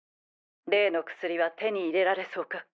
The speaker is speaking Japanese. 例の薬は手に入れられそうか？